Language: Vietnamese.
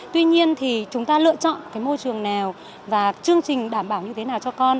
tuy nhiên thì chúng ta lựa chọn cái môi trường nào và chương trình đảm bảo như thế nào cho con